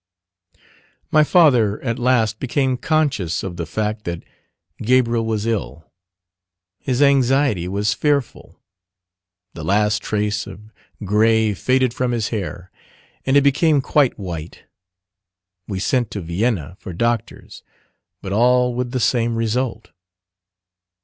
My father at last became conscious of the fact that Gabriel was ill. His anxiety was fearful. The last trace of grey faded from his hair, and it became quite white. We sent to Vienna for doctors. But all with the same result.